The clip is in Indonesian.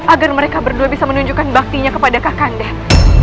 agar mereka berdua bisa menunjukkan baktinya kepada kak kandet